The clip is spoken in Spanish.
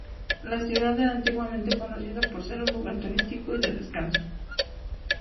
La ciudad era antiguamente conocida por ser un lugar turístico y de descanso.